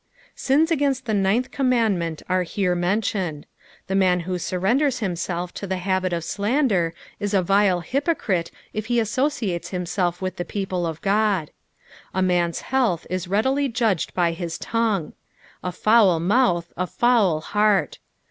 Sins aeninnt the ninth commandment are here mentioned. The mau who surrenders himself to the habit of slander is a vile hypocrite if he associates himself with the people of Qod. A man''s health ia readily judged by his tongue. A foul mouth, a foul heart.